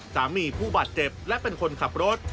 ผู้บาดเจ็บและเป็นคนขับรถ